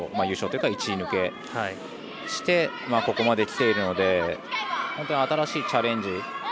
優勝というか１位抜けしてここまできているので本当に新しいチャレンジ。